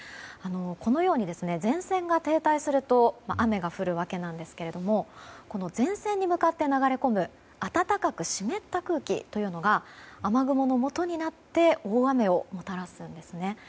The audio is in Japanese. このように前線が停滞すると雨が降るわけなんですがこの前線に向かって流れ込む暖かく湿った空気というのが雨雲のもとになって大雨をもたらすんですね。